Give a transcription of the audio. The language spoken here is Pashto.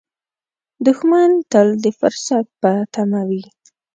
دښمن تل د فرصت په تمه وي